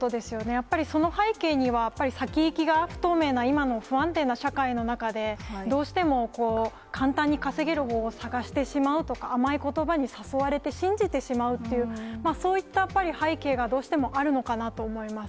やっぱりその背景には、やっぱり先行きが不透明な今の不安定な社会の中で、どうしてもこう、簡単に稼げる方法を探してしまうとか、甘いことばに誘われて、信じてしまうという、そういったやっぱり背景がどうしてもあるのかなと思います。